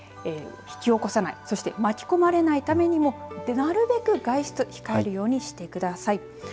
引き起こさない、そして巻き込まれないためにもなるべく外出控えるようにしてください。